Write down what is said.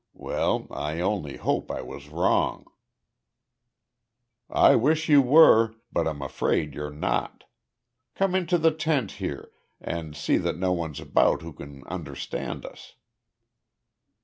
Well, I only hope I was wrong." "I wish you were, but I'm afraid you're not. Come into the tent here, and see that no one's about who can understand us."